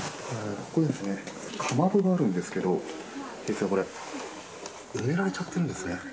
ここにですね、かまどがあるんですけど、ですがこれ、埋められちゃってるんですね。